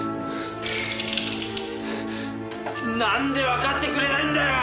なんでわかってくれないんだよ！